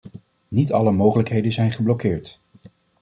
Niet alle mogelijkheden zijn geblokkeerd.